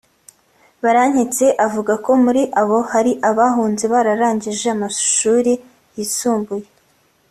Barankitse avuga ko muri abo hari abahunze bararangije amashuri yisumbuye